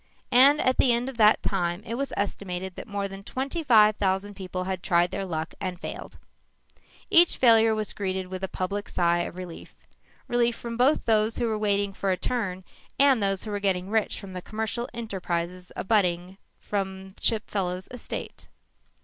And at the end of that time it was estimated that more than twenty five thousand people had tried their luck and failed. Each failure was greeted with a public sigh of relief relief from both those who were waiting for a turn and those who were getting rich from the commercial enterprises abutting upon the Chipfellow estate.